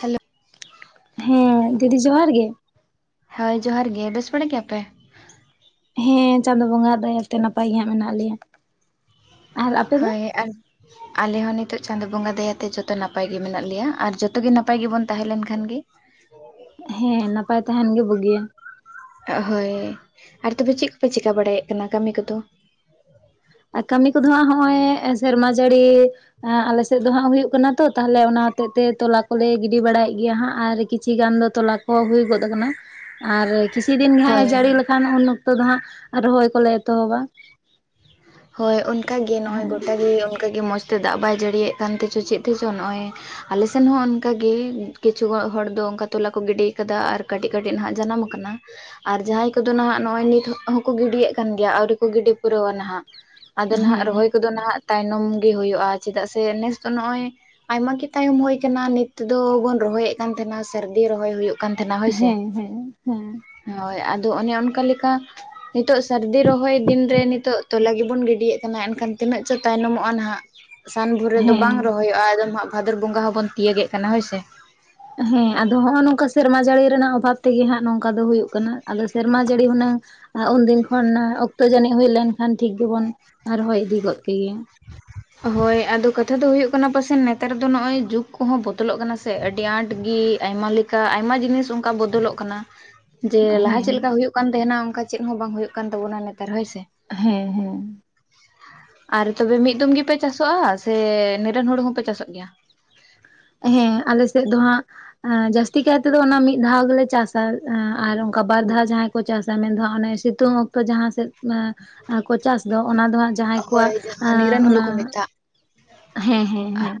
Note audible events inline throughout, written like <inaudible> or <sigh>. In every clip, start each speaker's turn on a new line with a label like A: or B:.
A: Hello
B: ᱦᱮᱸ ᱫᱤᱫᱤ ᱡᱚᱦᱟᱨ ᱜᱮ᱾
A: ᱦᱚᱭ ᱡᱚᱦᱟᱨ ᱜᱮ ᱵᱮᱥ ᱵᱟᱲᱟ ᱜᱮᱭᱟ ᱯᱮ?
B: ᱦᱮᱸ ᱪᱟᱸᱫᱳ ᱵᱚᱸᱜᱟᱣᱟᱜ ᱫᱟᱭᱟ ᱛᱮ ᱱᱟᱯᱟᱭ ᱜᱮ ᱦᱟᱸᱜ ᱢᱮᱱᱟᱜ ᱞᱮᱭᱟ᱾ ᱟᱨ ᱟᱯᱮ ᱫᱚ
A: ᱦᱳᱭ ᱟᱨ ᱟᱞᱮ ᱦᱚᱸ ᱱᱤᱛᱳᱜ ᱪᱟᱸᱫᱚ ᱵᱚᱸᱜᱟ ᱫᱟᱭᱟᱛᱮ ᱡᱚᱛᱚ ᱱᱟᱯᱟᱭ ᱜᱮ ᱢᱮᱱᱟᱜ ᱞᱮᱭᱟ ᱟᱨ ᱡᱚᱛᱚ ᱜᱮ ᱱᱟᱯᱟᱭ ᱜᱮᱵᱚᱱ ᱛᱟᱦᱮᱸ ᱞᱮᱱ ᱠᱷᱟᱱ ᱜᱮ
B: ᱦᱮᱸ ᱱᱟᱯᱟᱭ ᱛᱟᱦᱮᱱ ᱜᱮ ᱵᱩᱜᱤᱭᱟ᱾
A: ᱦᱳᱭ ᱟᱨ ᱛᱚᱵᱮ ᱪᱮᱫ ᱠᱚᱯᱮ ᱪᱮᱠᱟ ᱵᱟᱲᱟᱭᱮᱫ ᱠᱟᱱᱟ ᱠᱟᱹᱢᱤ ᱠᱚᱫᱚ?
B: ᱟᱨ ᱠᱟᱹᱢᱤ ᱠᱚᱫᱚ ᱦᱟᱸᱜ ᱦᱚᱜᱼᱚᱭ ᱥᱮᱨᱢᱟ ᱡᱟᱹᱲᱤ ᱮᱸᱜ ᱟᱞᱮ ᱥᱮᱫ ᱫᱚ ᱦᱟᱸᱜ ᱦᱩᱭᱩᱜ ᱠᱟᱱᱟ ᱛᱚ ᱛᱟᱦᱞᱮ ᱚᱱᱟ ᱦᱚᱛᱮᱡ ᱛᱮ ᱛᱚᱞᱟ ᱠᱚᱞᱮ ᱜᱤᱰᱤ ᱵᱟᱲᱟᱭᱮᱫ ᱜᱮᱭᱟ ᱦᱟᱸᱜ ᱟᱨ ᱠᱤᱪᱷᱤ ᱜᱟᱱ ᱫᱚ ᱛᱚᱞᱟ ᱠᱚᱦᱚᱸ ᱦᱩᱭ ᱜᱚᱫ ᱟᱠᱟᱱᱟ᱾ ᱟᱨ ᱠᱤᱪᱷᱤ ᱫᱤᱱ ᱜᱮ ᱦᱟᱸᱜᱼᱮ
A: ᱦᱳᱭ
B: ᱡᱟᱹᱲᱤ
A: ᱦᱳᱭ
B: ᱞᱮᱠᱷᱟᱱ ᱩᱱ ᱚᱠᱛᱚ ᱫᱚ ᱦᱟᱸᱜ ᱨᱚᱦᱚᱭ ᱠᱚᱞᱮ ᱮᱛᱚᱦᱚᱵᱟ᱾
A: ᱦᱳᱭ ᱚᱱᱠᱟ ᱜᱮ ᱱᱚᱜᱼᱚᱭ
B: ᱦᱮᱸ
A: ᱜᱚᱴᱟ ᱜᱮ ᱚᱱᱠᱟ ᱜᱮ ᱢᱚᱡᱽ ᱛᱮ ᱫᱟᱜ ᱵᱟᱭ ᱡᱟᱹᱲᱤᱭᱮᱫ ᱠᱟᱱ ᱛᱮᱪᱚ ᱪᱮᱫ ᱛᱮᱪᱚ ᱱᱚᱜᱼᱚᱭ ᱟᱞᱮ ᱥᱮᱱ ᱦᱚᱸ ᱚᱱᱠᱟ ᱜᱮ ᱠᱤᱪᱷᱩ ᱦᱚ ᱦᱚᱲ ᱫᱚ ᱚᱱᱠᱟ ᱛᱚᱞᱟ ᱠᱚ ᱜᱤᱰᱤ ᱟᱠᱟᱫᱟ ᱟᱨ ᱠᱟᱹᱴᱤᱡ ᱠᱟᱹᱴᱤᱡ ᱱᱟᱦᱟᱜ ᱡᱟᱱᱟᱢ ᱟ- ᱠᱟᱱᱟ ᱟᱨ ᱡᱟᱦᱟᱸᱭ ᱠᱚᱫᱚ ᱱᱟᱦᱟᱜ ᱱᱚᱜᱼᱚᱭ ᱱᱤᱛ ᱦᱚᱸᱠᱚ ᱜᱤᱰᱤᱭᱮᱫ ᱠᱟᱱ ᱜᱮᱭᱟ ᱟᱹᱣᱨᱤ ᱠᱚ ᱜᱤᱰᱤ ᱯᱩᱨᱟᱹᱣᱟ ᱱᱟᱦᱟᱜ ᱟᱫᱚ ᱱᱟᱦᱟᱜ
B: ᱦᱮᱸ
A: ᱨᱚᱦᱚᱭ ᱠᱚᱫᱚ ᱱᱟᱦᱟᱜ ᱛᱟᱭᱱᱚᱢ ᱜᱮ ᱦᱩᱭᱩᱜᱼᱟ ᱪᱮᱫᱟᱜ ᱥᱮ ᱱᱮᱥ ᱫᱚ ᱱᱚᱜᱼᱚᱭ ᱟᱭᱢᱟᱜᱤ ᱛᱟᱭᱚᱢ ᱦᱳᱭ ᱟᱠᱟᱱᱟ ᱱᱤᱛ ᱛᱮᱫᱚ ᱵᱚᱱ ᱨᱚᱦᱚᱭᱮᱫ ᱠᱟᱱ ᱛᱟᱦᱮᱱᱟ ᱥᱟᱹᱨᱫᱤ ᱨᱚᱦᱚᱭ ᱦᱩᱭᱩᱜ ᱠᱟᱱ ᱛᱷᱮᱱᱟ ᱦᱳᱭ ᱥᱮ᱾
B: ᱦᱮᱸ ᱦᱮᱸ ᱦᱮᱸ
A: ᱦᱳᱭ ᱟᱫᱚ ᱚᱱᱮ ᱚᱱᱠᱟ ᱞᱮᱠᱟ ᱱᱤᱛᱚᱜ ᱥᱟᱹᱨᱫᱤ ᱨᱚᱦᱚᱭ ᱫᱤᱱ ᱨᱮ ᱱᱤᱛᱚᱜ ᱛᱚᱞᱟ ᱜᱮᱵᱚᱱ ᱜᱤᱰᱤᱭᱮᱫ ᱠᱟᱱᱟ ᱮᱱᱠᱷᱟᱱ ᱛᱤᱱᱟᱹᱜ ᱪᱚ ᱛᱟᱭᱱᱚᱢᱚᱜᱼᱟ ᱱᱟᱦᱟᱜ᱾ ᱥᱟᱱ ᱵᱷᱩᱨ ᱨᱮᱫᱚ ᱵᱟᱝ
B: ᱦᱮᱸ
A: ᱨᱚᱦᱚᱭᱚᱜᱼᱟ ᱮᱫᱚᱢ ᱦᱟᱸᱜ ᱵᱷᱟᱫᱚᱨ ᱵᱚᱸᱜᱟ ᱦᱚᱸᱵᱚᱱ ᱛᱤᱭᱟᱹᱜᱮᱫ ᱠᱟᱱᱟ ᱦᱳᱭᱥᱮ᱾
B: ᱦᱮᱸ ᱟᱫᱚ ᱦᱚᱜᱼᱚ ᱱᱚᱝᱠᱟ ᱥᱮᱨᱢᱟ ᱡᱟᱹᱲᱤ ᱨᱮᱱᱟᱜ ᱚᱵᱷᱟᱵ ᱛᱮᱜᱮ ᱦᱟᱸᱜ ᱱᱚᱝᱠᱟ ᱫᱚ ᱦᱩᱭᱩᱜ ᱠᱟᱱᱟ ᱟᱫᱚ ᱥᱮᱨᱢᱟ ᱡᱟᱹᱲᱤ ᱦᱩᱱᱟᱹᱝ ᱟ ᱩᱱᱫᱤᱱ ᱠᱷᱚᱱ ᱚᱠᱛᱚ ᱡᱟᱹᱱᱤᱡ ᱦᱩᱭ ᱞᱮᱱᱠᱷᱟᱱ ᱴᱷᱤᱠ ᱜᱮᱵᱚᱱ ᱨᱚᱦᱚᱭ ᱤᱫᱤ ᱜᱚᱫ ᱠᱮᱜᱮᱭᱟ᱾
A: ᱦᱳᱭ ᱟᱫᱚ ᱠᱟᱛᱷᱟ ᱫᱚ ᱦᱩᱭᱩᱜ ᱠᱟᱱᱟ ᱯᱟᱥᱮᱱ ᱱᱮᱛᱟᱨ ᱫᱚ ᱱᱚᱜᱼᱚᱭ ᱡᱩᱜᱽ ᱠᱚᱦᱚᱸ ᱵᱚᱫᱚᱞᱚᱜ ᱠᱟᱱᱟ ᱥᱮ ᱟᱹᱰᱤ ᱟᱸᱴ ᱜᱮ ᱟᱭᱢᱟ ᱞᱮᱼᱼ ᱠᱟ ᱟᱭᱢᱟ ᱡᱤᱱᱤᱥ ᱚᱱᱠᱟ ᱵᱚᱫᱚᱞᱚᱜ ᱠᱟᱱᱟ᱾ ᱡᱮ ᱞᱟᱦᱟ ᱪᱮᱫ
B: ᱦᱮᱸ
A: ᱞᱮᱠᱟ ᱦᱩᱭᱩᱜ ᱠᱟᱱ ᱛᱟᱦᱮᱱᱟ ᱚᱱᱠᱟ ᱪᱮᱫ ᱦᱚᱸ ᱵᱟᱝ ᱦᱳᱭᱳᱜ ᱠᱟᱱ ᱛᱟᱵᱚᱱᱟ ᱱᱮᱛᱟᱨ ᱦᱳᱭᱥᱮ᱾
B: ᱦᱮᱸ ᱦᱮᱸ᱾
A: ᱟᱨ ᱛᱚᱵᱮ ᱢᱤᱫ ᱫᱚᱢ ᱜᱮᱯᱮ ᱪᱟᱥᱚᱜᱼᱟ ᱥᱮ ᱱᱤᱨᱟᱹᱱ ᱦᱩᱲᱩ ᱦᱚᱸᱯᱮ ᱪᱟᱥᱚᱜ ᱜᱮᱭᱟ?
B: ᱦᱮᱸ ᱟᱞᱮ ᱥᱮᱫ ᱫᱚ ᱦᱟᱸᱜ ᱡᱟᱹᱥᱛᱤ ᱠᱟᱭ ᱛᱮᱫᱚ ᱚᱱᱟ ᱢᱤᱫ ᱫᱷᱟᱣ ᱜᱮᱞᱮ ᱪᱟᱥᱟ ᱟᱨ ᱠᱟ ᱵᱟᱨ ᱫᱷᱟᱣ ᱡᱟᱦᱟᱸᱭ ᱠᱚ ᱪᱟᱥᱟ ᱢᱮᱱ ᱫᱚ ᱦᱟᱸᱜ ᱚᱱᱮ ᱥᱤᱛᱩᱝ ᱚᱠᱛᱚ ᱡᱟᱦᱟᱸ ᱥᱮᱫ ᱠᱚ ᱪᱟᱥ ᱫᱚ ᱚᱱᱟ ᱫᱚ ᱦᱟᱸᱜ ᱡᱟᱦᱟᱸᱭ
A: ᱦᱳᱭ
B: ᱠᱚᱣᱟᱜ
A: ᱡᱟᱦᱟᱸ
B: ᱟᱸ
A: ᱱᱤᱨᱚᱱ ᱦᱩᱲᱩ ᱠᱚ
B: ᱚᱱᱟ
A: ᱢᱮᱛᱟᱜ
B: ᱦᱮᱸ ᱦᱮᱸ ᱦᱮᱸ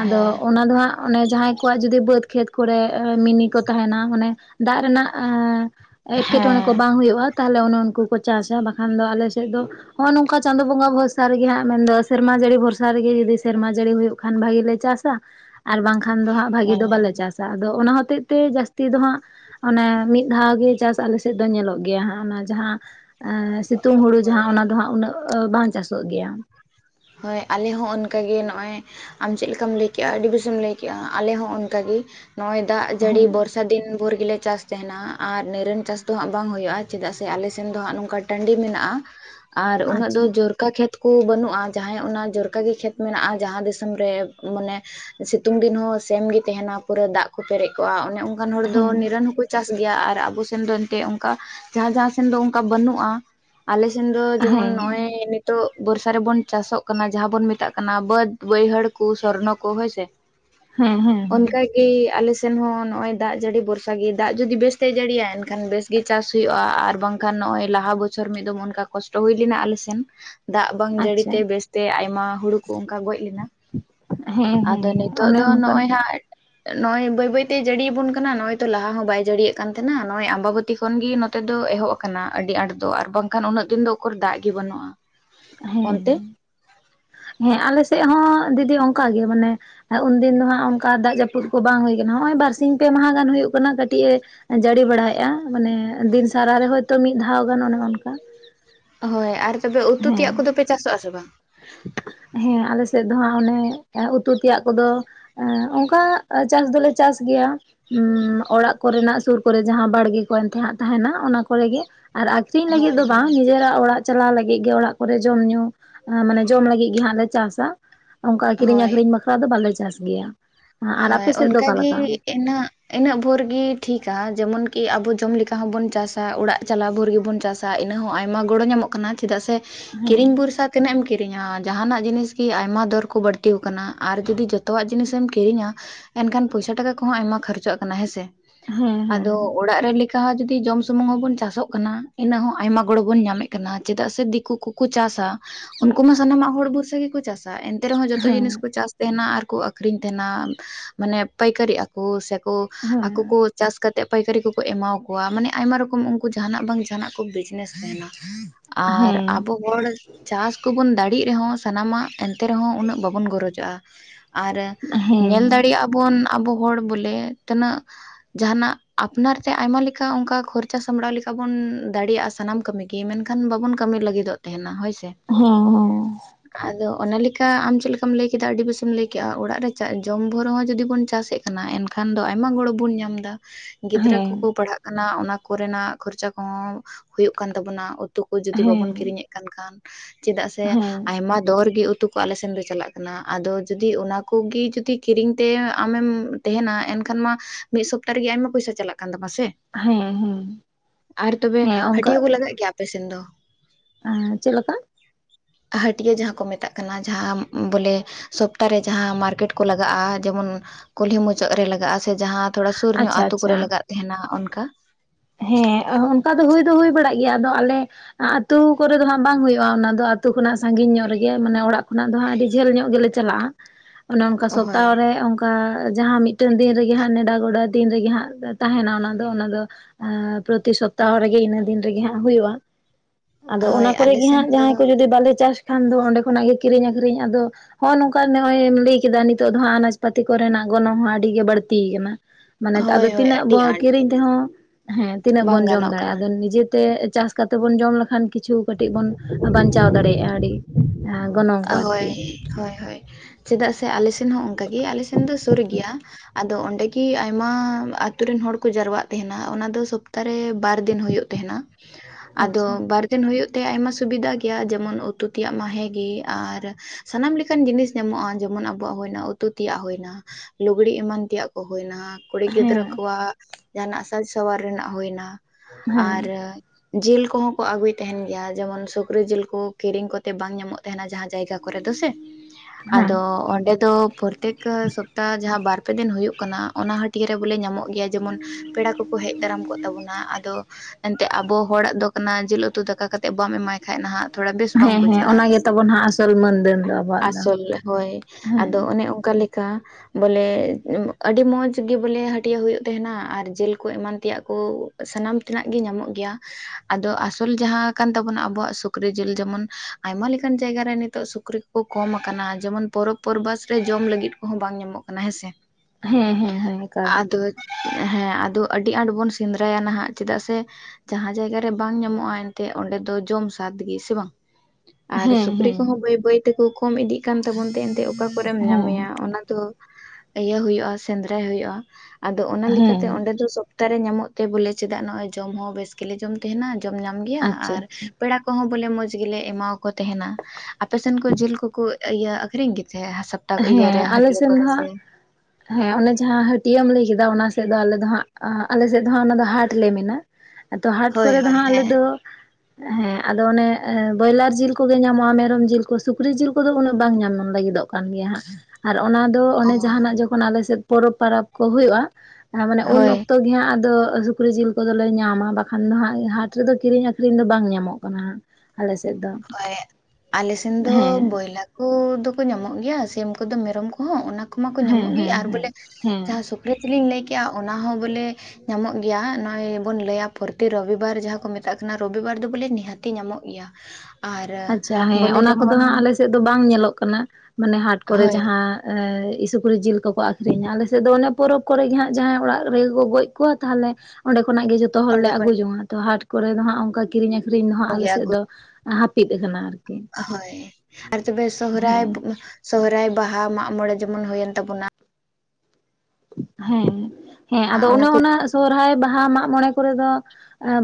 B: ᱟᱫᱚ
A: ᱦᱮᱸ
B: ᱚᱱᱟ ᱫᱚ ᱦᱟᱸᱜ ᱚᱱᱮ ᱡᱟᱦᱟᱸᱭ ᱠᱚᱣᱟᱜ ᱡᱩᱫᱤ ᱵᱟᱹᱫᱽ ᱠᱷᱮᱛ ᱠᱚᱨᱮ ᱢᱤᱱᱤ ᱠᱚ ᱛᱟᱦᱮᱱᱟ ᱚᱱᱮ ᱫᱟᱜ ᱨᱮᱱᱟᱜ ᱮᱸᱴᱠᱮᱴᱚᱬᱮ ᱠᱚ
A: ᱦᱮᱸ
B: ᱵᱟᱝ ᱦᱩᱭᱩᱜᱼᱟ ᱛᱟᱦᱞᱮ ᱚᱱᱮ ᱩᱱᱠᱩ ᱠᱚ ᱪᱟᱥᱟ ᱵᱟᱠᱷᱟᱱ ᱫᱚ ᱟᱞᱮ ᱥᱮᱫ ᱫᱚ ᱚᱜᱼᱚ ᱱᱚᱝᱠᱟ ᱪᱟᱸᱫᱳ ᱵᱚᱸᱜᱟ ᱵᱷᱚᱨᱥᱟ ᱨᱮᱜᱮ ᱦᱟᱸᱜ ᱢᱮᱱᱫᱟ ᱥᱮᱨᱢᱟ ᱡᱟᱹᱲᱤ ᱵᱷᱚᱨᱼᱼ ᱥᱟ ᱨᱮᱜᱮ ᱡᱩᱫᱤ ᱥᱮᱨᱢᱟ ᱡᱟᱹᱲᱤ ᱦᱩᱭᱩᱜ ᱠᱷᱟᱱ ᱵᱷᱟᱜᱤ ᱞᱮ ᱪᱟᱥᱟ ᱟᱨ ᱵᱟᱝᱠᱷᱟᱱ ᱫᱚ ᱦᱟᱸᱜ ᱵᱷᱟᱜᱤ ᱫᱚ ᱵᱟᱞᱮ
A: ᱦᱮᱸ
B: ᱪᱟᱥᱟᱼᱼ ᱟ ᱟᱫᱚ ᱚᱱᱟ ᱦᱚᱛᱮᱡ ᱛᱮ ᱡᱟᱹᱥᱛᱤ ᱫᱚ ᱦᱟᱸᱜ ᱚᱱᱮ ᱢᱤᱫ ᱫᱷᱟᱣ ᱜᱮ ᱪᱟᱥ ᱟᱞᱮ ᱥᱮᱫ ᱫᱚ ᱧᱮᱞᱚᱜ ᱜᱮᱭᱟ ᱚᱱᱟ ᱡᱟᱦᱟᱸᱼᱼ ᱮᱸ ᱥᱤᱛᱩᱝ ᱦᱩᱲᱩ
A: ᱦᱳᱭ
B: ᱡᱟᱦᱟᱸ ᱚᱱᱟ ᱫᱚ ᱦᱟᱸᱜ ᱩᱱᱟᱹᱜ ᱵᱟᱝ ᱪᱟᱥᱚᱜ ᱜᱮᱭᱟ᱾
A: ᱦᱳᱭ ᱟᱞᱮ ᱦᱚᱸ ᱚᱱᱠᱟ ᱜᱮ ᱱᱚᱜᱼᱚᱭ ᱟᱢ ᱪᱮᱫ ᱞᱮᱠᱟᱢ ᱞᱟᱹᱭ ᱠᱮᱜᱼᱟ ᱟᱹᱰᱤ ᱵᱮᱥ ᱮᱢ ᱞᱟᱹᱭ ᱠᱮᱜᱼᱟ ᱟᱞᱮ ᱦᱚᱸ ᱚᱱᱠᱟ ᱜᱮ ᱱᱚᱜᱼᱚᱭ ᱫᱟᱜ ᱡᱟᱹᱲᱤ
B: ᱦᱮᱸ
A: ᱵᱚᱨᱥᱟ ᱫᱤᱱᱼᱼ ᱵᱷᱳᱨ ᱜᱮᱞᱮ ᱪᱟᱥ ᱛᱟᱦᱮᱱᱟ ᱟᱨ ᱱᱤᱨᱟᱹᱱ ᱪᱟᱥ ᱫᱚ ᱦᱟᱸᱜ ᱵᱟᱝ ᱦᱩᱭᱩᱜᱼᱟ ᱪᱮᱫᱟᱜ ᱥᱮ ᱟᱞᱮ ᱥᱮᱱ ᱫᱚ ᱦᱟᱸᱜ ᱱᱚᱝᱠᱟ᱾ ᱴᱟᱹᱰᱤ ᱢᱮᱱᱟᱜᱼᱟ᱾ ᱟᱨ ᱩᱱᱟᱹᱜ ᱫᱚ
B: ᱟᱪᱪᱷᱟ
A: ᱡᱚᱨᱠᱟ ᱠᱷᱮᱛ ᱠᱚ ᱵᱟᱹᱱᱩᱜᱼᱟ᱾ ᱡᱟᱦᱟᱸᱭ ᱚᱱᱟ ᱡᱚᱨᱠᱟ ᱜᱮ ᱠᱷᱮᱛ ᱢᱮᱱᱟᱜᱼᱟ, ᱡᱟᱦᱟᱸ ᱫᱤᱥᱚᱢ ᱨᱮ ᱢᱟᱱᱮᱼᱼ ᱥᱤᱛᱩᱝ ᱫᱤᱱ ᱦᱚᱸ ᱥᱮᱢ ᱜᱮ ᱛᱟᱦᱮᱱᱟ ᱯᱩᱨᱟᱹ ᱫᱟᱜ ᱠᱚ ᱯᱮᱨᱮᱡ ᱠᱚᱜᱼᱟ, ᱚᱱᱮ ᱚᱱᱠᱟᱱ ᱦᱚᱲ ᱫᱚ
B: ᱦᱮᱸ
A: ᱱᱤᱨᱚᱱ ᱦᱚᱸᱠᱚ ᱪᱟᱥᱼᱼ ᱜᱮᱭᱟ᱾ ᱟᱨ ᱟᱵᱚ ᱥᱮᱱ ᱫᱚ ᱮᱱᱛᱜ ᱚᱱᱠᱟ ᱡᱟᱦᱟᱸ ᱡᱟᱦᱟᱸ ᱥᱮᱱ ᱫᱚ ᱚᱱᱠᱟ ᱵᱟᱹᱱᱩᱜᱼᱟ᱾ ᱟᱞᱮᱥᱱ ᱫᱚ ᱡᱮᱢᱚᱱ
B: ᱦᱮᱸ
A: ᱱᱚᱭᱚᱭ ᱱᱤᱛᱚᱜ ᱵᱚᱨᱥᱟ ᱨᱮᱵᱚᱱᱼᱼ ᱪᱟᱥᱚᱜ ᱠᱟᱱᱟ, ᱡᱟᱦᱟᱸ ᱵᱚᱱ ᱢᱮᱛᱟᱜ ᱠᱟᱱᱟ ᱵᱟᱹᱫ ᱵᱟᱹᱭᱦᱟᱹᱲ ᱠᱚ ᱥᱚᱨᱱᱚ ᱠᱚ ᱦᱳᱭ ᱥᱮ᱾
B: ᱦᱮᱸ ᱦᱮᱸ
A: ᱚᱱ
B: ᱦᱮᱸ
A: ᱠᱟᱼᱼ ᱜᱮ, ᱟᱞᱮ ᱥᱮᱱ ᱦᱚᱸ ᱱᱚᱜᱼᱚᱭ ᱫᱟᱜ ᱡᱟᱹᱲᱤ ᱵᱷᱚᱨᱥᱟ ᱜᱮ, ᱫᱟᱜ ᱡᱩᱫᱤ ᱵᱮᱥᱛᱮᱭ ᱡᱟᱹᱲᱤᱭᱟ-ᱭ ᱮᱱᱠᱷᱟᱱ ᱵᱮᱥᱼᱼ ᱜᱮ ᱪᱟᱥ ᱦᱩᱭᱩᱜᱼᱟ᱾ᱟᱨ ᱵᱟᱝᱠᱷᱟᱱ ᱱᱚᱜᱼᱚᱭ ᱞᱟᱦᱟ ᱵᱚᱪᱷᱚᱨ ᱢᱤᱫ ᱫᱚᱢ ᱚᱱᱠᱟ ᱠᱚᱥᱴᱚ ᱦᱩᱭ ᱞᱮᱱᱟ ᱟᱞᱮ ᱥᱮᱱ᱾ ᱫᱟᱜ ᱵᱟᱝ
B: ᱟᱪᱪᱷᱟ
A: ᱡᱟᱹᱲᱤᱛᱮ ᱵᱮᱥᱛᱮ ᱟᱭᱢᱟ ᱦᱩᱲᱩᱼᱼ ᱠᱚ ᱚᱱᱠᱟ ᱜᱚᱡ ᱞᱮᱱᱟ,
B: ᱦᱮᱸ ᱦᱮᱸ
A: ᱟᱫᱚ ᱱᱤᱛᱚᱜ
B: ᱚᱱᱮ
A: ᱫᱚ
B: ᱚᱱᱠᱟᱱ
A: ᱱᱚᱜᱼᱚᱭ ᱦᱟᱸᱜᱼᱼ ᱱᱚᱜ-ᱚᱭ ᱵᱟᱹᱭ ᱵᱟᱹᱭᱛᱮ ᱡᱟᱹᱲᱤ ᱟᱵᱚᱱ ᱠᱟᱱᱟ, ᱱᱚᱜᱼᱚᱭ ᱛᱚ ᱞᱟᱦᱟ ᱦᱚᱸ ᱵᱟᱭ ᱡᱟᱹᱲᱤᱭᱮᱫ ᱠᱟᱱ ᱛᱟᱦᱮᱸᱱᱟ ᱱᱚᱜ-ᱚᱭ ᱟᱢᱵᱟᱵᱚᱛᱤ ᱠᱷᱚᱱᱜ ᱜᱮ ᱱᱚᱼᱼ ᱱᱚᱛᱮ ᱫᱚ ᱮᱦᱚᱵ ᱟᱠᱟᱱᱟ ᱟᱹᱰᱤ ᱟᱸᱴ ᱫᱚ, ᱟᱨ ᱵᱟᱝᱠᱷᱟᱱ ᱩᱱᱟᱹᱜ ᱫᱤᱱ ᱫᱚ ᱩᱠᱩᱨ ᱫᱟᱜ ᱜᱮ ᱵᱟᱹᱱᱩᱜᱼᱟ᱾
B: ᱦᱮᱸ
A: ᱚᱱᱛᱮ?
B: ᱦᱮᱸ ᱟᱞᱮᱥᱮᱫ ᱦᱚᱸᱼᱼ ᱫᱤᱫᱤ ᱚᱱᱠᱟ ᱜᱮ, ᱢᱟᱱᱮᱼᱼ ᱟᱨ ᱩᱱᱫᱤᱱ ᱫᱚ ᱦᱟᱸᱜ ᱚᱱᱠᱟ ᱫᱟᱜ ᱡᱟᱹᱯᱩᱫ ᱠᱚ ᱵᱟᱝ ᱦᱩᱭ ᱠᱟᱱᱟ᱾ ᱱᱚᱜᱼᱚᱭ ᱵᱟᱨᱥᱤ ᱯᱮ ᱢᱟᱦᱟ ᱜᱟᱱ ᱦᱩᱭᱩᱜ ᱠᱟᱱᱟ ᱠᱟᱹᱴᱤᱡ ᱮᱼᱼ ᱡᱟᱹᱲᱤ ᱵᱟᱲᱟᱭᱮᱫᱼᱟ, ᱢᱟᱱᱮ ᱫᱤᱱ ᱥᱟᱨᱟ ᱨᱮᱦᱚ ᱦᱚᱭᱛᱳ ᱢᱤᱫ ᱫᱷᱟᱣ ᱜᱟᱱ ᱚᱱᱮ ᱚᱱᱠᱟ᱾
A: ᱦᱳᱭ ᱟᱨ ᱛᱚᱵᱮ ᱩᱛᱩ
B: ᱦᱮᱸ
A: ᱛᱮᱭᱟᱜ ᱠᱚᱫᱚᱯᱮ ᱪᱟᱥᱚᱜ ᱟᱥᱮ ᱵᱟᱝ?
B: ᱦᱮᱸ᱾ ᱟᱞᱮ ᱥᱮᱫ ᱫᱚ ᱦᱟᱸᱜ ᱚᱱᱮ ᱩᱛᱩ ᱛᱮᱭᱟᱜ ᱠᱚᱫᱚᱼᱼ ᱮ ᱚᱱᱠᱟ ᱪᱟᱥ ᱫᱚᱞᱮ ᱪᱟᱥ ᱜᱮᱭᱟ᱾ ᱚᱲᱟᱜ ᱠᱚᱨᱮᱱᱟᱜ ᱥᱩᱨ ᱠᱚᱨᱮ ᱡᱟᱦᱟᱸ ᱵᱟᱲᱜᱮ ᱠᱚ ᱮᱱᱛᱮ ᱦᱟᱸ ᱛᱟᱦᱮᱱᱟ ᱚᱱᱟ ᱠᱚᱨᱮᱜ᱾ ᱟᱨᱼᱼ ᱟᱠᱠᱷᱨᱤᱧ ᱞᱟᱹᱜᱤᱫ
A: ᱦᱳᱭ
B: ᱫᱚ ᱵᱟᱝ᱾
A: ᱦᱳᱭ
B: ᱱᱤᱡᱮᱨᱟᱜ ᱚᱲᱟᱜ ᱪᱟᱞᱟᱣ ᱞᱟᱹᱜᱤᱫ ᱜᱮ ᱚᱲᱟᱜ ᱠᱚᱨᱮ ᱡᱚᱢ ᱧᱩ ᱢᱟᱱᱮᱼᱼ ᱡᱚᱢ ᱞᱟᱹᱜᱤᱫ ᱜᱮ ᱦᱟᱸᱜ ᱞᱮ ᱪᱟᱥᱟ, ᱚᱱᱠᱟ ᱠᱤᱨᱤᱧ
A: ᱦᱳᱭ
B: ᱟᱠᱷᱨᱤᱧ-ᱵᱟᱠᱷᱨᱟ ᱫᱚ ᱵᱟᱞᱮ ᱪᱟᱥ ᱜᱮᱭᱟ᱾ ᱟᱨ
A: ᱦᱳᱭ,
B: ᱟᱯᱮ ᱥᱮᱫ ᱫᱚ ᱚᱠᱟ
A: ᱚᱱᱠᱟᱜᱤ
B: ᱞᱮᱠᱟ
A: ᱤᱱᱟᱹᱜᱼᱼ ᱤᱱᱟᱹᱜ ᱵᱷᱳᱨᱜᱤ ᱴᱷᱤᱠᱟ, ᱡᱮᱢᱚᱱ ᱠᱤ ᱟᱵᱚ ᱡᱚᱢ ᱞᱮᱠᱟ ᱦᱚᱸᱵᱚᱱ ᱪᱟᱥᱟ ᱚᱲᱟᱜ ᱪᱟᱞᱟᱣ ᱵᱷᱳᱨ ᱜᱮᱵᱚᱱ ᱪᱟᱥᱼᱼ ᱤᱱᱟᱹ ᱦᱚᱸ ᱟᱭᱢᱟ ᱜᱚᱲᱚ ᱧᱟᱢᱚᱜ ᱠᱟᱱᱟ, ᱪᱮᱫᱟᱜ ᱥᱮ
B: ᱦᱮᱸ
A: ᱠᱤᱨᱤᱧ ᱵᱷᱨᱥᱟᱼᱼ ᱛᱤᱱᱟᱹᱜ ᱮᱢ ᱠᱤᱨᱤᱧᱟ᱾ ᱡᱟᱦᱟᱱᱟᱜ ᱡᱤᱱᱤᱥ ᱜᱮᱤ ᱟᱭᱢᱟ ᱫᱚᱨ ᱠᱚ ᱵᱟᱹᱲᱛᱤ ᱟᱠᱟᱱᱟ ᱟᱨ ᱡᱩᱫᱤ ᱡᱚᱛᱚᱣᱟᱜ ᱡᱤᱱᱤᱥ ᱮᱢ ᱠᱤᱼᱼ ᱠᱤᱨᱤᱧᱟ᱾ ᱮᱱᱠᱷᱟᱱ ᱯᱚᱭᱥᱟ ᱴᱟᱠᱟ ᱠᱚᱦᱚᱸ ᱟᱭᱢᱟ ᱠᱷᱚᱨᱚᱪᱚᱜ ᱠᱟᱱᱟ ᱦᱮᱸᱥᱮ᱾
B: ᱦᱮᱸ ᱦᱮᱸ
A: ᱟᱫᱚ ᱚᱲᱟᱜ ᱨᱮᱼᱼ ᱠᱟ ᱡᱩᱫᱤ ᱡᱚᱢ ᱥᱩᱢᱩᱝ ᱦᱚᱸᱵᱚᱱ ᱪᱟᱥᱚᱜ ᱠᱟᱱᱟ, ᱤᱱᱟᱹ ᱦᱚᱸ ᱟᱭᱢᱟ ᱜᱚᱲᱚ ᱵᱚᱱ ᱧᱟᱢᱮᱫ ᱠᱟᱱᱟ᱾ ᱪᱮᱫᱟᱜ ᱥᱮ ᱫᱤᱠᱩ ᱠᱚᱼᱼ ᱠᱚ ᱪᱟᱥᱟ ᱩᱱᱠᱩ ᱢᱟ ᱥᱟᱱᱟᱢᱟᱜ ᱦᱚᱲ ᱵᱷᱚᱨᱥᱟ ᱜᱮᱠᱚ ᱪᱟᱥᱟᱼᱼ ᱮᱱᱛᱮᱨᱮᱦᱚᱸ ᱡᱚᱛᱚ
B: ᱦᱮᱸ
A: ᱡᱤᱱᱤᱥ ᱠᱚ ᱪᱟᱥ ᱛᱟᱦᱮᱱᱟ ᱟᱨ ᱠᱚ ᱟᱹᱠᱷᱨᱤᱧᱼᱼ ᱛᱟᱦᱮᱱᱟ᱾ ᱢᱟᱱᱮ ᱯᱟᱹᱭᱠᱟᱹᱨᱤᱜ ᱟᱠᱚ ᱥᱮᱠᱚ ᱟᱠᱚ ᱠᱚᱼᱼ
B: ᱦᱮᱸ
A: ᱪᱟᱥ ᱠᱟᱛᱮᱜ ᱯᱟᱭᱠᱟᱨᱤ ᱠᱚᱠᱚ ᱮᱢᱟ ᱠᱚᱣᱟ᱾ᱢᱟᱱᱮ ᱟᱭᱢᱟ ᱨᱚᱠᱚᱢ ᱩᱱᱠᱩ ᱡᱟᱦᱱᱟᱜ ᱵᱟᱝ ᱡᱟᱦᱟᱱᱟᱜ ᱠᱚ ᱵᱮᱼᱼ ᱵᱤᱡᱱᱮᱥ ᱛᱟᱦᱮᱱᱟ᱾ ᱟᱨ
B: ᱦᱮᱸ
A: ᱟᱵᱚ ᱦᱚᱲᱼᱼ ᱪᱟᱥ ᱠᱚᱵᱚᱱ ᱫᱟᱲᱮᱜ ᱨᱮᱦᱚᱸ ᱥᱟᱱᱟᱢᱟᱜ, ᱮᱱᱛᱮ ᱨᱮᱦᱚᱸ ᱩᱱᱟᱹᱜ ᱵᱟᱵᱚᱱ ᱜᱚᱨᱚᱡᱚᱜᱼᱟ ᱟᱨᱼᱼ ᱧᱮᱞ ᱫᱟᱲᱮᱭᱟᱜᱼᱟ ᱵᱚᱱ, ᱟᱵᱚ ᱦᱚᱲ ᱵᱚᱞᱮ ᱛᱤᱱᱟᱹᱜᱼᱼ ᱡᱟᱦᱟᱱᱟᱜ ᱟᱯᱱᱟᱨ ᱛᱮ ᱟᱭᱢᱟ ᱞᱮᱠᱟ ᱚᱱᱠᱟ ᱠᱷᱚᱨᱪᱟ ᱥᱟᱢᱵᱲᱟᱣ ᱞᱮᱠᱟ ᱵᱚᱱ ᱫᱟᱲᱮᱭᱟᱜᱼᱟ ᱥᱟᱱᱟᱢ ᱠᱟᱹᱢᱤᱼᱼ ᱜᱮ, ᱢᱮᱱᱠᱷᱟᱱ ᱵᱟᱵᱚᱱ ᱠᱟᱹᱢᱤ ᱞᱟᱹᱜᱤᱫᱚᱜ ᱛᱟᱦᱮᱱᱟ ᱦᱳᱭ ᱥᱮ᱾
B: ᱦᱮᱸ ᱦᱮᱸ᱾
A: ᱟᱫᱚ ᱚᱱᱟ ᱞᱮᱠᱟ ᱟᱢ ᱪᱮᱫ ᱞᱮᱠᱟᱢ ᱞᱟᱹᱭ ᱠᱮᱫᱟ ᱟᱹᱰᱤ ᱵᱮᱥᱮ ᱮᱢ ᱞᱟᱹᱭ ᱠᱮᱫᱮᱜᱼᱟ ᱚᱲᱟᱜ ᱨᱮᱼᱼ ᱪᱟᱜ ᱡᱚᱢ ᱵᱷᱳᱨ ᱦᱚᱸ ᱡᱩᱫᱤ ᱵᱚᱱ ᱪᱟᱥᱮᱫ ᱠᱟᱱᱟ, ᱮᱱᱠᱷᱟᱱ ᱫᱚ ᱟᱭᱢᱟ ᱜᱚᱲᱚ ᱵᱚᱱ ᱧᱟᱢ ᱮᱫᱟ᱾
B: ᱦᱮᱸ
A: ᱜᱤᱫᱽᱨᱟᱹ
B: ᱦᱮᱸ
A: ᱠᱚᱠᱚ ᱯᱟᱲᱦᱟᱜ ᱠᱟᱱᱟ ᱚᱱᱟ ᱠᱚ ᱨᱮᱱᱟᱜ ᱠᱷᱚᱨᱪᱟ ᱠᱚᱦᱚᱸ ᱦᱩᱭᱩᱜ ᱠᱟᱱ ᱛᱟᱵᱚᱱᱟ, ᱩ ᱛᱩ ᱠᱚ ᱡᱩᱫᱤ ᱵᱟᱵᱚᱱ
B: ᱦᱮᱸ
A: ᱠᱤᱨᱤᱧ ᱮᱫ ᱠᱟᱱ ᱠᱷᱟᱱ, ᱪᱮᱫᱟᱜ ᱥᱮ
B: ᱦᱮᱸ
A: ᱟᱭᱢᱟ ᱫᱚᱨ ᱜᱮ ᱩᱛᱩ ᱠᱚ ᱟᱞᱮ ᱥᱮᱱ ᱞᱮ ᱪᱟᱞᱟᱜ ᱠᱟᱱᱟ᱾ ᱟᱫᱚ ᱡᱩᱫᱤ ᱚᱱᱟ ᱠᱚ ᱠᱩᱜᱤ ᱡᱩᱫᱤ ᱠᱤᱨᱤᱧ ᱛᱮ ᱟᱢᱮᱢ ᱛᱮᱦᱮᱱᱟ, ᱮᱱᱠᱷᱟᱱ ᱢᱟ ᱢᱤᱫ ᱥᱚᱯᱛᱟ ᱨᱮᱜᱮ ᱟᱭᱢᱟ ᱯᱚᱭᱥᱟ ᱪᱟᱞᱟᱜ ᱠᱟᱱ ᱛᱟᱢᱟ ᱥᱮ᱾
B: ᱦᱮᱸ ᱦᱮᱸ ᱦᱮᱸ
A: ᱟᱨ ᱛᱚᱵᱮ
B: ᱦᱮᱸ
A: ᱦᱟᱹᱴᱤᱭᱟᱹ ᱠᱚ ᱞᱟᱜᱟᱜ ᱜᱮᱭᱟ ᱟᱯᱮ ᱥᱮᱱ ᱫᱚ?
B: ᱟᱸ ᱪᱮᱫ ᱞᱮᱠᱟ?
A: ᱦᱟᱹᱴᱤᱭᱟᱹ ᱡᱟᱦᱟᱸ ᱠᱚ ᱢᱮᱛᱟᱜ ᱠᱟᱱᱟ ᱡᱟᱦᱟᱸ ᱵᱚᱞᱮ, ᱥᱚᱯᱛᱟ ᱨᱮ ᱡᱟᱦᱟᱸ ᱢᱟᱨᱠᱮᱴ ᱠᱚ ᱞᱟᱜᱟᱜᱼᱟ, ᱡᱮᱢᱚᱱ ᱠᱩᱞᱦᱤ ᱢᱩᱪᱟᱹᱫ ᱨᱮ ᱞᱟᱜᱟᱜᱼᱟ ᱥᱮ ᱡᱟᱦᱟᱸ ᱛᱷᱚᱲᱟ ᱥᱩᱨ ᱧᱚᱜ
B: ᱟᱪᱪᱷᱟ
A: ᱟᱛᱳ ᱠᱚᱨᱮ
B: ᱟᱪᱪᱷᱟ
A: ᱞᱟᱜᱟᱜ ᱛᱮᱦᱮᱱᱟ ᱚᱱᱠᱟ?
B: ᱦᱮᱸ ᱚᱱᱠᱟ ᱫᱚ ᱦᱩᱭ ᱫᱚ ᱦᱩᱭ ᱵᱟᱲᱟᱜ ᱜᱮᱭᱟ ᱟᱫᱚ ᱟᱞᱮ ᱟᱛᱩ ᱠᱚᱨᱮ ᱫᱚ ᱦᱟᱸᱜ ᱵᱟᱝ ᱦᱩᱭᱩᱜᱼᱟ ᱚᱱᱟ ᱫᱚ ᱟᱛᱩ ᱠᱷᱚᱱᱟᱜ ᱥᱟᱺᱜᱤᱧ ᱧᱚᱜ ᱨᱮᱜᱮ ᱢᱟᱱᱮ ᱚᱲᱟᱜ ᱠᱷᱚᱱᱟᱜ ᱫᱚ ᱦᱟᱸᱜ ᱟᱹᱰᱤ ᱡᱷᱟᱹᱞ ᱧᱚᱜ ᱜᱮᱞᱮ ᱪᱟᱞᱟᱜᱼᱟ᱾ ᱚᱱᱮ ᱚᱱᱠᱟ
A: ᱦᱳᱭ
B: ᱥᱚᱯᱛᱟᱦᱚ ᱨᱮ ᱚᱱ ᱠᱟ ᱡᱟᱦᱟᱸ ᱢᱤᱫᱴᱮᱱ ᱫᱤᱱ ᱨᱮᱜᱮ ᱦᱟᱸᱜ ᱱᱮᱰᱟ ᱜᱚᱰᱟ ᱫᱤᱱ ᱨᱮᱜᱮ ᱦᱟᱸᱜ ᱛᱟᱦᱮᱸᱱᱟ ᱚᱱᱟ ᱫᱚ ᱚᱱᱟ ᱫᱚ ᱟᱸ ᱯᱨᱚᱛᱤ ᱥᱚᱯᱛᱟᱦᱚ ᱨᱮᱜᱮ ᱤᱱᱟᱹ ᱫᱤᱱ ᱨᱮᱜᱮ ᱦᱟᱸᱜ ᱦᱩᱭᱩᱜᱼᱟ᱾ ᱟᱫᱚ
A: ᱦᱳᱭ
B: ᱚᱱᱟ ᱠᱚᱨᱮ
A: ᱟᱞᱮ
B: ᱜᱮ
A: ᱥᱮᱱ
B: ᱦᱟᱸᱜ
A: ᱫᱚ
B: ᱡᱟᱦᱟᱸᱭ ᱠᱚ ᱡᱩᱫᱤ ᱵᱟᱞᱮ ᱪᱟᱥ ᱠᱷᱟᱱ ᱫᱚ ᱚᱸᱰᱮ ᱠᱷᱚᱱᱟᱜ ᱜᱮ ᱠᱤᱨᱤᱧ ᱟᱹᱠᱷᱨᱤᱧ ᱟᱫᱚ ᱦᱚᱸᱜᱼᱚ ᱱᱚᱝᱠᱟ ᱱᱚᱜᱼᱚᱭ ᱞᱟᱹᱭ ᱠᱮᱫᱟ ᱱᱤᱛᱚᱜ ᱫᱚ ᱦᱟᱸᱜ ᱟᱱᱟᱡ ᱯᱟᱹᱛᱤ ᱠᱚᱨᱮᱱᱟᱜ ᱜᱚᱱᱚᱝ ᱦᱚᱸ ᱟᱹᱰᱤ ᱜᱮ ᱵᱟᱹᱲᱛᱤ ᱠᱟᱱᱟ᱾ ᱢᱟᱱᱮ
A: ᱦᱳᱭ
B: ᱟᱫᱚ
A: ᱦᱳᱭ
B: ᱛᱤᱱᱟᱹᱜ
A: ᱟᱹᱰᱤ
B: ᱵᱚ
A: ᱟᱸᱴ ᱜᱮ
B: ᱠᱤᱨᱤᱧ ᱛᱮᱦᱚᱸ, ᱦᱮᱸ ᱛᱤᱱᱟᱹᱜ
A: ᱵᱟᱝ
B: ᱵᱚᱱ ᱡᱚᱢ
A: ᱜᱟᱱᱚᱜ
B: ᱫᱟᱲᱮᱭᱟᱜᱼᱟ
A: ᱠᱟᱱᱟ
B: ᱟᱫᱚ ᱱᱤᱡᱮᱛᱮ ᱪᱟᱥ ᱠᱟᱛᱮ ᱵᱚᱱ ᱡᱚᱢ ᱞᱮᱠᱷᱟᱱ ᱠᱤᱪᱷᱩ ᱠᱟᱹᱴᱤᱡ ᱵᱚᱱ ᱵᱟᱧᱪᱟᱣ ᱫᱟᱲᱮᱭᱟᱜᱼᱟ ᱟᱹᱰᱤ, ᱟᱸ ᱜᱚᱱᱚᱝ ᱠᱚ
A: ᱦᱳᱭ
B: ᱟᱨᱠᱤ᱾
A: ᱦᱳᱭ ᱦᱳᱭ, ᱪᱮᱫᱟᱜ ᱥᱮ ᱟᱞᱮ ᱥᱮᱱ ᱦᱚᱸ ᱚᱱᱠᱟᱜᱮ ᱟᱞᱮ ᱥᱮᱱ ᱫᱚ ᱥᱩᱨ ᱜᱮᱭᱟ᱾ ᱟᱫᱚ ᱚᱸᱰᱮ ᱜᱤ ᱟᱭᱢᱟ ᱟᱛᱩ ᱨᱮᱱ ᱦᱚᱲᱠᱚ ᱡᱟᱨᱚᱣᱟᱜ ᱛᱮᱦᱮᱱᱟ, ᱚᱱᱟ ᱫᱚ ᱥᱩᱯ ᱛᱟ ᱨᱮ ᱵᱟᱨ ᱫᱤᱱ ᱦᱩᱭᱩᱜ ᱛᱟᱦᱮᱸᱱᱟ, ᱟᱫᱚ
B: ᱟᱪᱪᱷᱟ
A: ᱵᱟᱨ ᱫᱤᱱ ᱦᱩᱭᱩᱜ ᱛᱮ ᱟᱭᱢᱟ ᱥᱩᱵᱤᱫᱷᱟ ᱜᱮᱭᱟ ᱡᱮᱢᱚᱱ ᱩᱛᱩ ᱛᱮᱭᱟᱜ ᱢᱟ ᱦᱮᱸ ᱜᱮ ᱟᱨ ᱥᱟᱱᱟᱢ ᱞᱮᱠᱟᱱ ᱡᱤᱱᱤᱥ ᱧᱟᱢᱚᱜᱼᱟ ᱡᱮᱢᱚᱱ ᱟᱵᱚᱣᱟᱜ ᱦᱩᱭᱱᱟ ᱩᱛᱩ ᱛᱮᱭᱟᱜ ᱦᱩᱭᱱᱟ, ᱞᱩᱜᱽᱲᱤ ᱮᱢᱟᱱ ᱛᱮᱭᱟᱜ ᱠᱚ ᱦᱩᱭᱱᱟ, ᱠᱩᱲᱤ ᱜᱤᱫᱽᱨᱟᱹ
B: ᱦᱮᱸ
A: ᱠᱚᱣᱟᱜ ᱡᱟᱦᱟᱸᱱᱟᱜ ᱥᱟᱡᱽᱥᱟᱣᱟᱨ ᱨᱮᱱᱟᱜ ᱦᱩᱭᱱᱟ,
B: ᱦᱮᱸ
A: ᱟᱨ ᱡᱤᱞ ᱠᱚᱦᱚᱸ ᱠᱚ ᱟᱹᱜᱩᱭᱮᱫ ᱛᱮᱦᱮᱱ ᱜᱮᱭᱟ ᱡᱮᱢᱚᱱ ᱥᱩᱠᱨᱤ ᱡᱤᱞ ᱠᱚ ᱠᱤᱨᱤᱧ ᱠᱚᱛᱮ ᱵᱟᱝ ᱧᱟᱢᱚᱜ ᱛᱟᱦᱮᱸᱱᱟ ᱡᱟᱦᱟᱸ ᱡᱟᱭᱜᱟ ᱠᱚᱨᱮ ᱫᱚ ᱥᱮ,
B: ᱦᱮᱸ
A: ᱟᱫᱚ ᱚᱸᱰᱮ ᱫᱚ ᱯᱨᱚᱛᱮᱠ ᱠᱟᱹ ᱥᱚᱯᱛᱟᱦᱚ ᱡᱟᱦᱟᱸ ᱵᱟᱨ ᱯᱮ ᱫᱤᱱ ᱦᱩᱭᱩᱜ ᱠᱟᱱᱟ ᱚᱱᱟ ᱦᱟᱹᱴᱤᱭᱟᱹ ᱨᱮ ᱵᱚᱞᱮ ᱧᱟᱢᱚᱜ ᱜᱮᱭᱟ ᱡᱮᱢᱚᱱ ᱯᱮᱲᱟ ᱠᱚᱠᱚ ᱦᱮᱡ ᱫᱟᱨᱟᱢ ᱠᱚᱜ ᱛᱟᱵᱚᱱᱟ ᱟᱫᱚ ᱮᱱᱛᱮᱜ ᱟᱵᱚ ᱦᱚᱲᱟᱜ ᱫᱚ ᱠᱟᱱᱟ ᱡᱮᱞ ᱩ ᱛᱩ ᱫᱟᱠᱟ ᱠᱟᱛᱮᱫ ᱵᱟᱢ ᱮᱢᱟᱭ ᱠᱷᱟᱡ ᱱᱟᱦᱟᱜ ᱛᱷᱚᱲᱟ ᱵᱮᱥ ᱵᱟᱝ
B: ᱦᱮᱸ
A: ᱵᱩᱡᱷᱟᱹᱜᱼᱟ ᱦᱮᱸ
B: ᱚᱱᱟᱜᱮ
A: ᱥᱮ᱾
B: ᱛᱟᱵᱚᱱ ᱦᱟᱸᱜ ᱟᱥᱚᱞ ᱢᱟᱹᱱᱫᱟᱹᱱ ᱫᱚ ᱟᱵᱚᱣᱟᱜ ᱫᱚ
A: ᱟᱥᱚᱞ ᱦᱳᱭ
B: ᱦᱮᱸ
A: ᱟᱫᱚ ᱚᱱᱮ ᱚᱱᱠᱟ ᱞᱮ ᱠᱟ ᱵᱚᱞᱮ ᱟᱹᱰᱤ ᱢᱚᱸᱡᱽ ᱜᱮ ᱵᱚᱞᱮ ᱦᱟᱹᱴᱤᱭᱟᱹ ᱦᱩᱭᱩᱜ ᱛᱟᱦᱮᱸᱱᱟ ᱟᱨ ᱡᱮᱞ ᱠᱚ ᱮᱢᱟᱱ ᱛᱮᱭᱟᱜ ᱠᱚ ᱥᱟᱱᱟᱢ ᱛᱮᱱᱟᱜ ᱜᱮ ᱧᱟᱢᱚᱜ ᱜᱮᱭᱟ᱾ ᱟᱫᱚ ᱟ ᱥᱚᱞ ᱡᱟᱦᱟᱸ ᱠᱟᱱ ᱛᱟᱵᱚᱱᱟ ᱟᱵᱚᱣᱟᱜ ᱥᱩᱠᱨᱤ ᱡᱤᱞ ᱡᱮᱢᱚᱱ, ᱟᱭᱢᱟ ᱞᱮᱠᱟᱱ ᱡᱟᱭᱜᱟ ᱨᱮ ᱱᱤᱛᱚᱜ ᱥᱩᱠᱨᱤ ᱠᱚ ᱠᱚᱢ ᱟᱠᱟᱱᱟ ᱡᱮᱢᱚᱱ ᱯᱚᱨᱚᱵᱽ ᱯᱚᱨᱵᱷᱟᱥ ᱨᱮ ᱡᱚᱢ ᱞᱟᱹᱜᱤᱫ ᱠᱚᱦᱚᱸ ᱵᱟᱝ ᱧᱟᱢᱚᱜ ᱠᱟᱱᱟ ᱦᱮᱸ ᱥᱮ᱾
B: ᱦᱮᱸ ᱦᱮᱸ ᱦᱮᱸ ᱮᱠᱟᱞ
A: ᱟᱫᱚ ᱦᱮᱸ ᱟᱫᱚ ᱟᱹᱰᱤ ᱟᱸᱴ ᱵᱚᱱ ᱥᱮᱸᱫᱽᱨᱟᱭᱟ ᱱᱟᱦᱟᱜ ᱪᱮᱫᱟᱜ ᱥᱮ, ᱡᱟᱦᱟᱸ ᱡᱟᱭᱜᱟ ᱨᱮ ᱵᱟᱝ ᱧᱟᱢᱚᱜᱼᱟ ᱮᱱᱛᱮᱜ ᱚᱸᱰᱮ ᱫᱚ ᱡᱚᱢ ᱥᱟᱫ ᱜᱮ ᱥᱮ ᱵᱟᱝ? ᱟᱨ
B: ᱦᱮᱸ
A: ᱥᱩᱠᱨᱤ
B: ᱦᱮᱸ
A: ᱠᱚᱦᱚᱸ ᱵᱟᱹᱭ ᱵᱟᱹᱭ ᱛᱮᱠᱚ ᱠᱚᱢ ᱤᱫᱤᱜ ᱠᱟᱱ ᱛᱟᱵᱚᱱ ᱛᱮ ᱮᱱᱛᱮ ᱚᱠᱟ ᱠᱚᱨᱮᱢ
B: ᱦᱮᱸ
A: ᱧᱟᱢᱮᱭᱟ ᱚᱱᱟ ᱫᱚ ᱤᱭᱟᱹ ᱦᱩᱭᱩᱜᱼᱟ ᱥᱮᱸᱫᱽᱨᱟᱭ ᱦᱩᱭᱩᱜᱼᱟ, ᱟᱫᱚ ᱚᱱᱟ ᱞᱮᱠᱟᱛᱮ
B: ᱦᱮᱸ
A: ᱚᱸᱰᱮ ᱫᱚ ᱥᱚᱯ ᱛᱟᱨᱮ ᱧᱟᱢᱚᱜ ᱛᱮ ᱵᱚᱞᱮ ᱪᱮᱫᱟᱜ ᱱᱚᱜᱼᱚᱭ ᱡᱚᱢ ᱦᱚᱸ ᱵᱮᱥ ᱜᱮᱞᱮ ᱡᱚᱢ ᱛᱮᱦᱮᱱᱟ ᱡᱚᱢ ᱧᱟᱢ ᱜᱮᱭᱟ
B: ᱟᱪᱪᱷᱟ
A: ᱟᱨ
B: ᱟᱪᱪᱷᱟ
A: ᱯᱮᱲᱟ ᱠᱚᱦᱚᱸ ᱵᱚᱞᱮ ᱢᱚᱡᱽ ᱜᱮᱞᱮ ᱮᱢᱟ ᱟᱠᱚ ᱛᱟᱦᱮᱱᱟ᱾ ᱟᱯᱮᱥᱮᱱ ᱡᱤᱞ ᱠᱚᱠᱚ ᱤᱭᱟᱹ ᱟᱹᱠᱷᱨᱤᱧ ᱜᱮ ᱛᱮ ᱦᱟᱥᱟ
B: ᱦᱮᱸ ᱟᱞᱮ ᱥᱮᱱ ᱫᱚ ᱦᱟᱜ ᱦᱮᱸ ᱚᱱᱮ ᱡᱟᱦᱟᱸ ᱦᱟᱹᱴᱤᱭᱟᱹᱢ ᱞᱟᱹᱭ ᱠᱮᱫᱟ ᱚᱱᱟ ᱥᱮᱫ ᱫᱚ ᱟᱞᱮ ᱫᱚ ᱦᱟᱜ ᱟᱞᱮ ᱥᱮᱫ ᱫᱚ ᱦᱟᱜ ᱚᱱᱟ ᱫᱚ ᱦᱟᱴ ᱞᱮ ᱢᱮᱱᱟ᱾ ᱟᱫᱚ ᱦᱟᱴ
A: ᱦᱳᱭ
B: ᱠᱚᱨᱮ ᱫᱚ
A: ᱦᱳᱭ
B: ᱦᱟᱜ ᱟᱞᱮ
A: ᱦᱮᱸ
B: ᱫᱚ ᱦᱮᱸ ᱟᱫᱚ ᱚᱱᱮ ᱵᱚᱭᱞᱟᱨ ᱡᱤᱞ ᱠᱚ ᱜᱮ ᱧᱟᱢᱚᱜᱼᱟ᱾ ᱢᱮᱨᱚᱢ ᱡᱤᱞ ᱠᱚ ᱥᱩᱠᱨᱤ ᱡᱤᱞ ᱠᱚᱫᱚ ᱩᱱᱟᱹᱜ ᱵᱟᱝ ᱧᱟᱢ ᱞᱟᱹᱜᱤᱫᱚᱜ ᱠᱟᱱ ᱜᱮᱭᱟ ᱦᱟᱸᱜ ᱟᱨ ᱚᱱᱟ ᱫᱚ
A: ᱚ
B: ᱚᱞᱮ ᱚᱱᱮ ᱡᱟᱦᱟᱱᱟᱜ ᱡᱚᱠᱷᱚᱱ ᱟᱞᱮ ᱥᱮᱫ ᱯᱚᱨᱚᱵᱽ ᱯᱟᱨᱟᱵᱽ ᱠᱚ ᱦᱳᱭᱳᱜᱼᱟ ᱢᱟᱱᱮ ᱩᱱ
A: ᱦᱳᱭ
B: ᱚᱠᱛᱚ ᱜᱮ ᱦᱟᱸᱜ ᱟᱫᱚ ᱥᱩᱠᱨᱤ ᱡᱤᱞ ᱠᱚᱫᱚᱞᱮ ᱧᱟᱢᱟ ᱵᱟᱠᱷᱟᱱ ᱫᱚ ᱦᱟᱸᱜ ᱦᱟᱴ ᱨᱮᱫᱚ ᱠᱤᱨᱤᱧ ᱟᱹᱠᱷᱨᱤᱧ ᱫᱚ ᱵᱟᱝ ᱧᱟᱢᱚᱜ ᱠᱟᱱᱟ ᱦᱟᱸᱜ ᱟᱞᱮ ᱥᱮᱫ ᱫᱚ
A: ᱦᱳᱭ ᱟᱞᱮᱥᱮᱱ ᱫᱚ
B: ᱦᱮᱸ
A: ᱵᱚᱭᱞᱟᱨ ᱠᱚ ᱫᱚ ᱠᱚ ᱧᱟᱢᱚᱜ ᱜᱮᱭᱟ ᱥᱤᱢ ᱠᱚᱫᱚ ᱢᱮᱨᱚᱢ ᱠᱚᱦᱚᱸ ᱚᱱᱟ ᱠᱚᱢᱟ ᱠᱚ
B: ᱦᱮᱸ
A: ᱧᱟᱢᱚᱜ ᱜᱮᱭᱟ
B: ᱦᱮᱸ
A: ᱟᱨ ᱵᱚᱞᱮ
B: ᱦᱮᱸ ᱦᱮᱸ
A: ᱡᱟᱦᱟᱸ ᱥᱩᱠ ᱯᱩᱠᱷᱨᱤ ᱛᱮᱞᱤᱧ ᱞᱟᱹᱭᱠᱮᱜᱼᱟ ᱚᱱᱟ ᱦᱚᱸ ᱵᱚᱞᱮ ᱧᱟᱢᱚᱜ ᱜᱮᱭᱟ ᱱᱚᱜᱼᱚᱭ ᱵᱚᱱ ᱞᱟᱹᱭᱟ ᱯᱚᱨᱚᱛᱤ ᱨᱚᱵᱤᱵᱟᱨ ᱡᱟᱦᱟᱸ ᱠᱚ ᱢᱮᱛᱟᱜ ᱠᱟᱱᱟ ᱨᱚᱵᱤᱵᱟᱨ ᱫᱚ ᱵᱚᱞᱮ ᱱᱤᱦᱟᱹᱛᱤ ᱧᱟᱢᱚᱜ ᱜᱮᱭᱟ᱾
B: <inaudible>
A: ᱟᱨ
B: ᱟᱪᱪᱷᱟ ᱦᱮᱸ
A: ᱵᱚᱞᱮ
B: ᱚᱱᱟ ᱠᱚᱫᱚ
A: ᱡᱮᱢᱚᱱ
B: ᱦᱟᱸᱜ ᱟᱞᱮ ᱥᱮᱫ ᱫᱚ ᱵᱟᱝ ᱧᱮᱞᱚᱜ ᱠᱟᱱᱟ ᱢᱟᱱᱮ ᱦᱟᱴ ᱠᱚᱨᱮ
A: ᱦᱳᱭ
B: ᱡᱟᱦᱟᱸ ᱮ ᱥᱩᱠᱨᱤ ᱡᱤᱞ ᱠᱚᱠᱚ ᱟᱹᱠᱷᱨᱤᱧᱟ ᱟᱞᱮᱥᱮᱫ ᱫᱚ ᱚᱱᱮ ᱯᱚᱨᱚᱵᱽ ᱠᱚᱨᱮ ᱜᱮ ᱦᱟᱸᱜ ᱡᱟᱦᱟᱸᱭ ᱚᱲᱟᱜ ᱨᱮᱜᱮ ᱠᱚ ᱜᱚᱡ ᱠᱚᱣᱟ ᱛᱟᱦᱞᱮ ᱚᱸᱰᱮ ᱠᱷᱚᱱᱟᱜ ᱜᱮ ᱡᱚᱛᱚ ᱡᱷᱚᱛᱚ ᱦᱚᱲᱞᱮ
A: ᱚᱸᱰᱮ ᱠᱷᱚᱱ
B: ᱟᱹᱜᱩ ᱡᱚᱝᱟ ᱛᱚ ᱦᱟᱴ ᱠᱚᱨᱮ ᱫᱚ ᱦᱟᱸᱜ ᱚᱱᱠᱟ ᱠᱤᱨᱤᱧ ᱟᱠᱷᱨᱤᱧ ᱫᱚ ᱦᱟᱸᱜ ᱟᱞᱮ
A: ᱜᱮ
B: ᱥᱮᱫ
A: ᱟᱹᱜᱩ
B: ᱫᱚ ᱦᱟᱹᱯᱤᱫ ᱟᱠᱟᱱᱟ ᱟᱨᱠᱤ
A: ᱦᱳᱭ ᱟᱨ ᱛᱚᱵᱮ ᱥᱚᱦᱨᱟᱭ
B: ᱦᱮᱸ
A: ᱥᱚᱦᱨᱟᱭ ᱵᱟᱦᱟ ᱢᱟᱜ ᱢᱚᱬᱮ ᱡᱮᱢᱚᱱ ᱦᱩᱭᱮᱱ ᱛᱟᱵᱚᱱᱟ
B: ᱦᱮᱸ ᱦᱮᱸ ᱟᱫᱚ ᱚᱱᱮ ᱚᱱᱟ ᱥᱚᱦᱨᱟᱭ ᱵᱟᱦᱟ ᱢᱟᱜ ᱢᱚᱬᱮ ᱠᱚᱨᱮ ᱫᱚ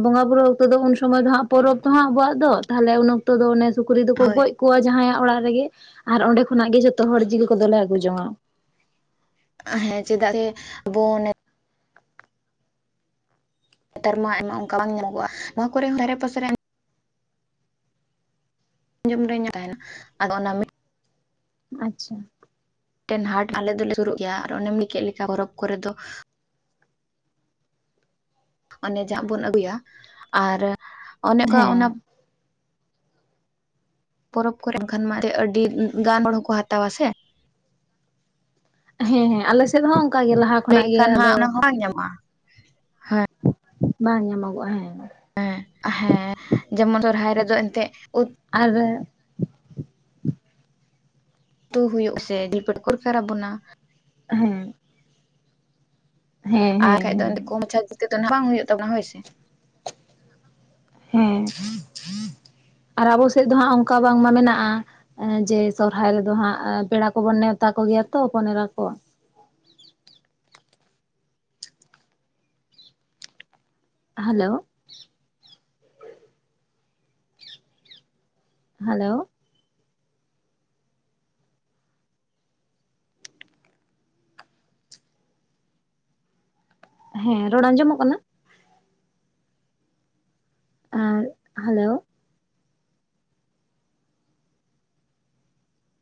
B: ᱵᱚᱸᱜᱟ ᱵᱩᱨᱩ ᱚᱠᱛᱚ ᱫᱚ ᱩᱱ ᱥᱚᱢᱚᱭ ᱫᱚ ᱦᱟᱸᱜ ᱯᱚᱨᱚᱵᱽ ᱫᱚ ᱦᱟᱸᱜ ᱟᱵᱣᱟᱜ ᱫᱚ ᱛᱟᱦᱞᱮ ᱩᱱ ᱚᱠᱛᱚ ᱫᱚ ᱚᱱᱮ ᱥᱩᱠᱨᱤ ᱫᱚᱠᱚ
A: ᱦᱳᱭ
B: ᱜᱚᱡ ᱠᱚᱣᱟ ᱡᱟᱦᱟᱸᱭᱟᱜ ᱚᱲᱟᱜ ᱨᱮᱜᱮ ᱟᱨ ᱚᱸᱰᱮ ᱠᱷᱚᱱᱟᱜ ᱜᱮ ᱡᱚᱛᱚ ᱦᱚᱲ ᱡᱤᱞ ᱠᱚᱫᱚᱞᱮ ᱟᱹᱜᱩ ᱡᱚᱝᱟ᱾
A: ᱦᱮᱸ ᱪᱮᱫᱟᱜ ᱜᱮ ᱟᱵᱚ ᱚᱱᱮ ᱱᱮᱛᱟᱨ ᱢᱟ ᱟᱭᱢᱟ ᱚᱱᱠᱟ ᱵᱟᱝ ᱧᱟᱢᱚᱜᱚᱼᱟ ᱱᱚᱣᱟ ᱠᱚᱨᱮ ᱫᱷᱟᱨᱮ ᱯᱟᱥᱮ ᱨᱮ ᱟᱸᱡᱚᱢ ᱛᱟᱦᱮᱱᱟ ᱟᱫᱚ ᱚᱱᱟ
B: ᱟᱪᱪᱷᱟ
A: ᱢᱮᱴᱮᱱ ᱦᱟᱴ ᱟᱞᱮ ᱫᱚᱞᱮ ᱥᱩᱨᱩᱜ ᱜᱮᱭᱟ ᱟᱨ ᱚᱱᱮᱢ ᱞᱟᱹᱭ ᱠᱮᱜ ᱞᱮᱠᱟ ᱯᱚᱨᱚᱵᱽ ᱠᱚᱨᱮ ᱫᱚ ᱚᱱᱮ ᱡᱟᱜ ᱵᱚᱱ ᱟᱹᱜᱩᱭᱟ ᱟᱨ ᱚᱱᱮᱠᱟ ᱚᱱᱟ
B: ᱦᱮᱸ
A: ᱯᱚᱨᱚᱵ ᱠᱚᱨᱮᱜ ᱠᱷᱟᱱ ᱢᱟ ᱟᱹᱰᱤ ᱜᱟᱱ ᱦᱚᱲ ᱦᱚᱸᱠᱚ ᱦᱟᱛᱟᱣᱟ ᱥᱮ
B: ᱦᱮᱸ ᱦᱮᱸ ᱟᱞᱮ ᱥᱮᱫ ᱦᱚᱸ ᱚᱱᱠᱟ ᱜᱮ ᱞᱟᱦᱟ ᱠᱷᱚᱱᱟᱜ ᱜᱮ
A: ᱮᱱᱠᱷᱟᱱ ᱦᱟᱸᱜ
B: ᱟᱫᱚ
A: ᱚᱱᱟ ᱦᱚᱸ ᱵᱟᱝ ᱧᱟᱢᱚᱜᱼᱟ
B: ᱵᱟᱝ ᱧᱟᱢᱚᱜᱚᱜᱼᱟ ᱦᱮᱸ᱾
A: ᱦᱮᱸ ᱦᱮᱸ ᱡᱮᱢᱚᱱ ᱥᱚᱨᱦᱟᱭ ᱨᱮᱫᱚ ᱮᱱᱛᱮᱫ
B: ᱟᱨ
A: ᱛᱩ ᱦᱩᱭᱩᱜ ᱥᱮ ᱡᱤᱞ ᱯᱤᱴᱷᱟᱹ ᱠᱚᱨᱮ ᱠᱷᱟᱨᱟᱯ ᱵᱚᱱᱟ
B: ᱦᱮᱸ ᱦᱮᱸ
A: ᱟᱨ
B: ᱦᱮᱸ
A: ᱠᱷᱟᱡ ᱫᱚ
B: ᱦᱮᱸ
A: ᱠᱚᱢ ᱢᱟᱪᱷᱟ ᱛᱮ ᱫᱚ ᱱᱟᱦᱟᱜ ᱵᱟᱝ ᱦᱩᱭᱩᱜ ᱛᱟᱵᱚᱱᱟ ᱦᱳᱭ ᱥᱮ
B: ᱦᱮᱸ ᱟᱨ ᱟᱵᱚ ᱥᱮᱜ ᱫᱚ ᱦᱟᱸᱜ ᱚᱱᱠᱟ ᱵᱟᱝᱢᱟ ᱢᱮᱱᱟᱜᱼᱟ᱾ ᱡᱮ ᱥᱚᱨᱦᱟᱭ ᱨᱮᱫᱚ ᱦᱟᱸᱜ ᱯᱮᱲᱟ ᱠᱚᱵᱚᱱ ᱱᱮᱣᱛᱟ ᱠᱚᱜᱮᱭᱟ ᱛᱚ ᱦᱚᱯᱚᱱ ᱮᱨᱟ ᱠᱚ᱾ ᱦᱮᱞᱳ ᱦᱮᱞᱳ ᱦᱮᱸ ᱨᱚᱲ ᱟᱸᱡᱚᱢᱚᱜ ᱠᱟᱱᱟ ᱮᱸᱫ ᱦᱮᱞᱳ